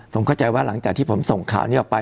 ผมเข้าใจว่าหลังจากที่ผมส่งข่าวนี้ออกไป